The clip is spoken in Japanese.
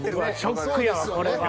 ショックやわこれは。